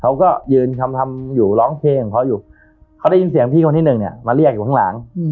เขาก็ยืนทำอยู่ร้องเพลงของเขาอยู่เขาได้ยินเสียงพี่คนที่หนึ่งเนี่ยมาเรียกอยู่ข้างหลัง